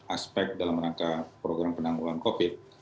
aspek dalam rangka program penanggulangan covid sembilan belas